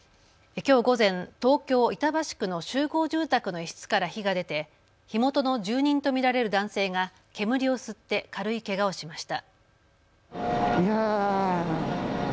きょう午前、東京板橋区の集合住宅の一室から火が出て火元の住人と見られる男性が煙を吸って軽いけがをしました。